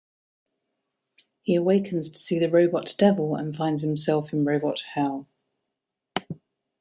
He awakens to see the Robot Devil and finds himself in Robot Hell.